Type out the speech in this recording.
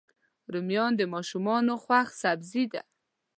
رومیان د ماشومانو خوښ سبزي ده